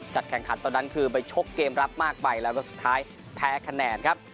แข่งขันตอนนั้นคือไปชกเกมรับมากไปแล้วก็สุดท้ายแพ้คะแนนครับ